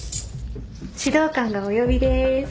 指導官がお呼びです。